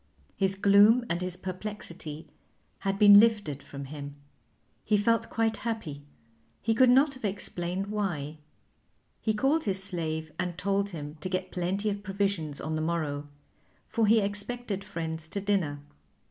His gloom and his perplexity had been lifted from him; he felt quite happy; he could not have explained why. He called his slave and told him to get plenty of provisions on the morrow, for he expected friends to dinner.